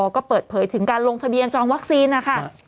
ก็เปิดเผยถึงการลงทะเบียนจองวัคซีนนะคะ